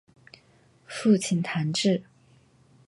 父亲谭智。